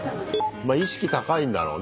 ま意識高いんだろうね